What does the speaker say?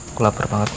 aku lapar banget